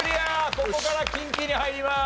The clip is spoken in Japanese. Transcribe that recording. ここから近畿に入ります。